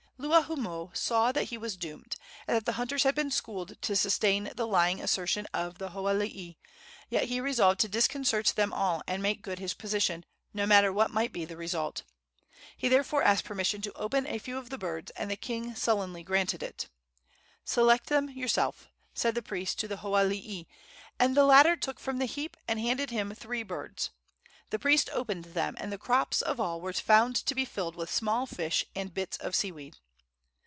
Luahoomoe saw that he was doomed, and that the hunters had been schooled to sustain the lying assertion of the hoalii; yet he resolved to disconcert them all and make good his position, no matter what might be the result. He therefore asked permission to open a few of the birds, and the king sullenly granted it. "Select them yourself," said the priest to the hoalii, and the latter took from the heap and handed to him three birds. The priest opened them, and the crops of all were found to be filled with small fish and bits of sea weed.